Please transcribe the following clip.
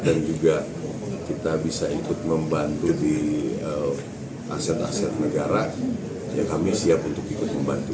dan juga kita bisa ikut membantu di aset aset negara ya kami siap untuk ikut membantu